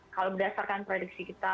kalau berdasarkan prediksi kita